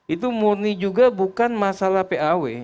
itu murni juga bukan masalah paw